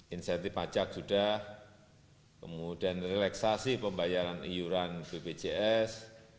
insentif pajak sudah kemudian relaksasi pembayaran iuran bpjs